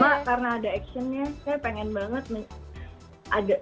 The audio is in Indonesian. mak karena ada actionnya saya pengen banget nih